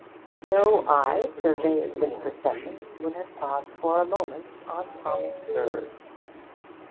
No eye surveying this procession would have paused for a moment on Thomas Bird.